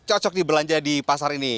cocok dibelanja di pasar ini